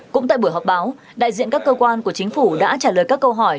cũng tại buổi họp báo đại diện các cơ quan của chính phủ đã trả lời các câu hỏi